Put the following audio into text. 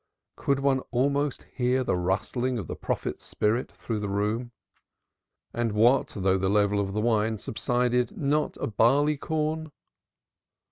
Could one almost hear the rustling of the prophet's spirit through the room? And what though the level of the wine subsided not a barley corn?